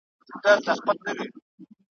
چي پخپله وو په دام کي کښېوتلی `